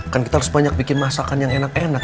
kan kita harus banyak bikin masakan yang enak enak